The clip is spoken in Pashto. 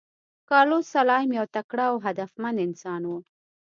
کارلوس سلایم یو تکړه او هدفمند انسان و.